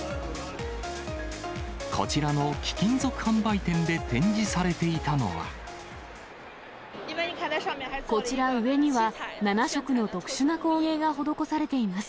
こちらの貴金属販売店で展示されこちら、上には七色の特殊な工芸が施されています。